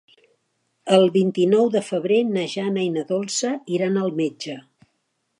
El vint-i-nou de febrer na Jana i na Dolça iran al metge.